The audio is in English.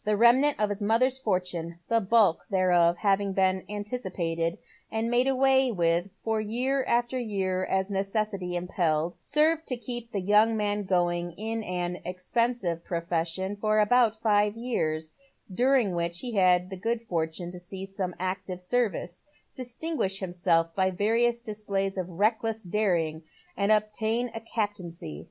The remnant of his mother's fortune — the bulk thereof having been anticipated, and made away with from year to year as necessity impelled — served to keep the young man going in an expensive profession for about five years, during which he had the good fortune to see some active service, distin guish himself by various displays of reckless daring, and obtain a captaincy.